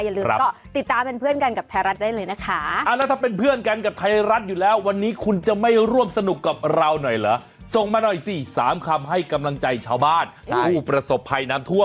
อย่าลืมก็ติดตามเป็นเพื่อนกันกับไทยรัฐได้เลยนะคะแล้วถ้าเป็นเพื่อนกันกับไทยรัฐอยู่แล้ววันนี้คุณจะไม่ร่วมสนุกกับเราหน่อยเหรอส่งมาหน่อยสิ๓คำให้กำลังใจชาวบ้านผู้ประสบภัยน้ำท่วม